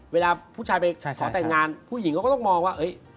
เวลาผู้ชายไปขอแต่งงานผู้หญิงเขาก็ต้องมองว่า